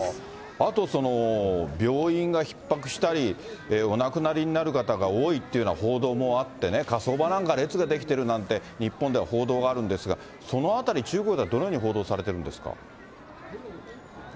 あと、病院がひっ迫したり、お亡くなりになる方が多いっていうような報道もあってね、火葬場なんか列が出来てるなんて、日本では報道があるんですが、そのあたり、中国ではどのように報道されてるんですか？